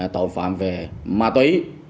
tội phạm về ma túy